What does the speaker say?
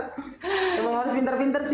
emang harus pinter pinter sih